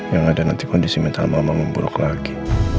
yang ada nanti kondisi mental mama memburuk lagi